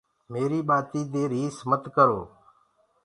ميريٚ ڀآتينٚ دي ريس مت ڪرو۔